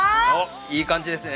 いい感じですね。